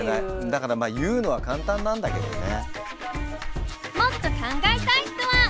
だから言うのは簡単なんだけどね。